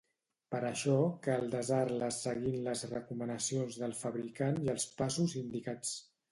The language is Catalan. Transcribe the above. Per això cal desar-les seguint les recomanacions del fabricant i els passos indicats.